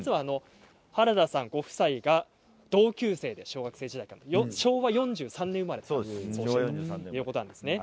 原田さんご夫妻は同級生で、小学生時代から昭和４３年生まれなんですよね。